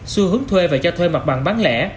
xu hướng thuê và cho thuê mặt bằng bán lẻ